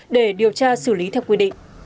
để điều tra xử lý theo quy định